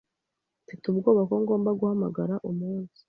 Mfite ubwoba ko ngomba guhamagara umunsi.